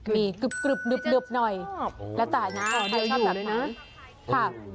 มีกรึบหน่อยและต่างั้นใครชอบตับใหม่